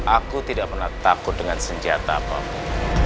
aku tidak pernah takut dengan senjata apapun